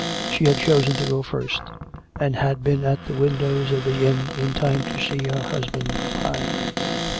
She had chosen to go first, and had been at the windows of the inn in time to see her hus band go by.